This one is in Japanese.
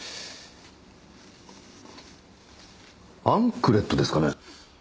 アンクレットですかね？